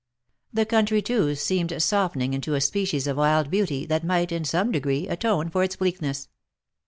The country too, seemed soften ing into a species of wild beauty, that might, in some degree, atone for its bleakness.